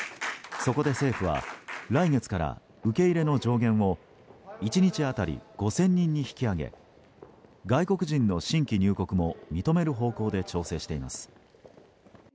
そこで政府は来月から受け入れの上限を１日当たり５０００人に引き上げ外国人の新規入国も認める方向で調整しています。